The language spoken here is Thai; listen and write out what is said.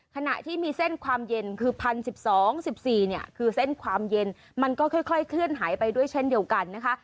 ขณะที่มีเส้นความเย็นคือ๑๐๑๒๑๔เนี่ยคือเส้นความเย็นมันก็ค่อยเคลื่อนหายไปด้วยเช่นเดียวกันนะคะ